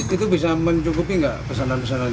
itu bisa mencukupi nggak pesanan pesanan